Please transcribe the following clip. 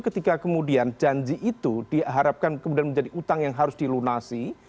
ketika kemudian janji itu diharapkan kemudian menjadi utang yang harus dilunasi